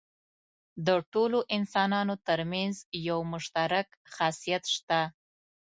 د ټولو انسانانو تر منځ یو مشترک خاصیت شته.